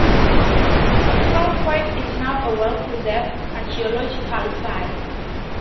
Crow Creek is now a well-preserved archaeological site.